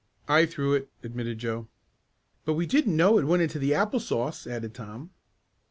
"I threw it," admitted Joe. "But we didn't know it went into the apple sauce," added Tom.